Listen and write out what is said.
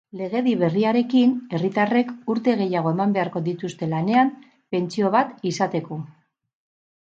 Legedi berriarekin, herritarrek urte gehiago eman beharko dituzte lanean pentsio bat izateko.